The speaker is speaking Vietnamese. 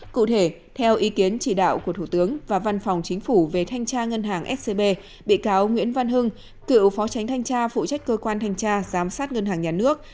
cụ thể theo ý kiến chỉ đạo của thủ tướng và văn phòng chính phủ về thanh tra ngân hàng scb bị cáo nguyễn văn hưng cựu phó tránh thanh tra phụ trách cơ quan thanh tra giám sát ngân hàng nhà nước